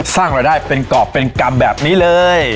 สร้างรายได้เป็นกรอบเป็นกรรมแบบนี้เลย